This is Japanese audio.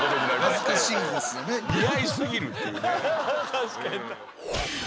確かに。